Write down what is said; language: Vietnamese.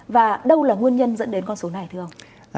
và đâu là nguyên nhân dẫn đến con số này thưa ông